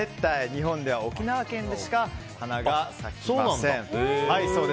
日本では沖縄県でしか花が咲きません。